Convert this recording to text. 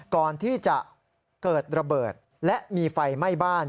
ก่อนที่จะเกิดระเบิดและมีไฟไหม้บ้าน